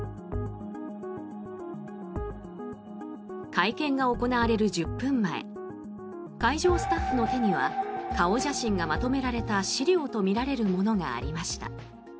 会見が行われる１０分前会場スタッフの手には顔写真がまとめられた資料とみられるものがありました。